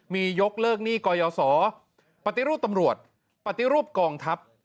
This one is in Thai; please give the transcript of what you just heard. มียกเลิกหนี้กยศปฏิรูปตำรวจปฏิรูปกองทัพ